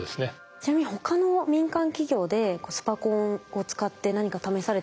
ちなみに他の民間企業でスパコンを使って何か試されてるところはあるんですか？